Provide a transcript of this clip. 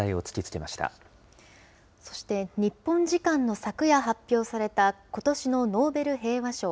そして日本時間の昨夜発表されたことしのノーベル平和賞。